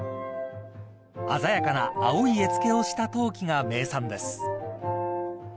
［鮮やかな青い絵付けをした陶器が名産です］